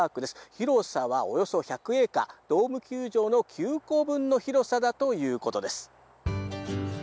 広さはおよそ１００エーカードーム球場９個分の広さだということです。